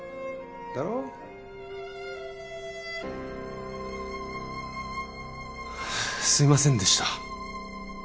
だろ？すみませんでした。